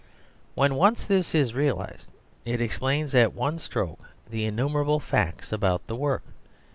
When once this is realised, it explains at one stroke the innumerable facts about the work.